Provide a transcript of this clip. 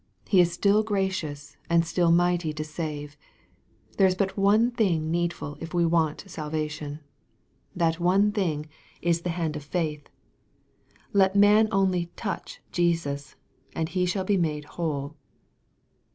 He is still gracioua and still mighty to save. There is but one thing needfu] if we want salvation. That one thing is the hand of MARK, CHAP. V. 103 faith. Let a man only " touch" Jesus, and he shall be made whole.